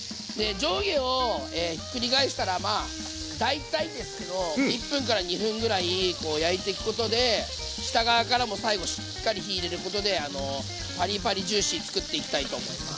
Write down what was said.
上下をひっくり返したらまあ大体ですけど１分から２分ぐらい焼いていくことで下側からも最後しっかり火入れることでパリパリジューシーつくっていきたいと思います。